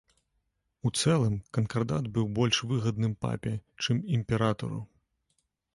У цэлым, канкардат быў больш выгадным папе, чым імператару.